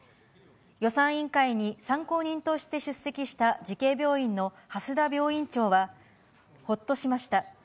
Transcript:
予算委員会に参考人として出席した慈恵病院の蓮田病院長は、ほっとしました。